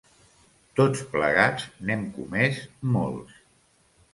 Tots plegats n’hem comès molts.